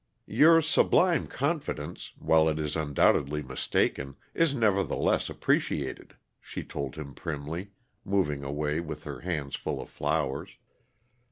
"Your sublime confidence, while it is undoubtedly mistaken, is nevertheless appreciated," she told him primly, moving away with her hands full of flowers.